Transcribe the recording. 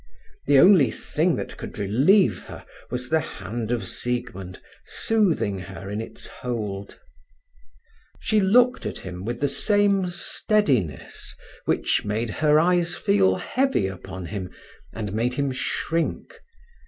The only thing that could relieve her was the hand of Siegmund soothing her in its hold. She looked at him with the same steadiness which made her eyes feel heavy upon him, and made him shrink.